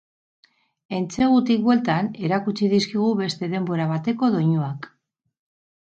Entsegutik bueltan erakutsi dizkigu beste denbora bateko doinuak.